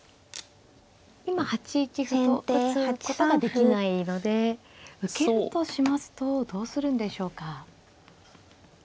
今８一歩と打つことができないので受けるとしますとどうするんでしょうか。